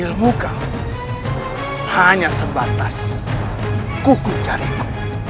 ilmu kau hanya sebatas kukuh jariku